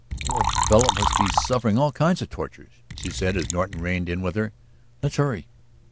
"The poor fellow must be suffering all kinds of torture," she said as Norton reined in with her. "Let's hurry."